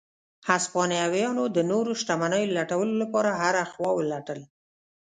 هسپانویانو د نورو شتمنیو لټولو لپاره هره خوا ولټل.